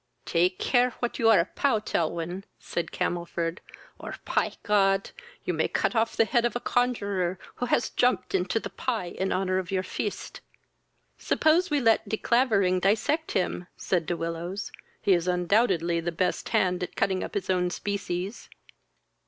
"Take care what you are apout, Elwyn, (said Camelford,) or, py Cot, you may cut off the head of a conjurer, who has jumped into the pie in honour of your feast." "Suppose we let De Clavering dissect him, (said De Willows;) he is undoubtedly the best hand at cutting up his own species."